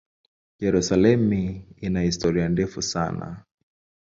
Yerusalemu ina historia ndefu sana.